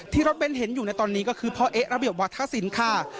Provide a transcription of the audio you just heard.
รถเบ้นเห็นอยู่ในตอนนี้ก็คือพ่อเอ๊ะระเบียบวัฒนศิลป์ค่ะ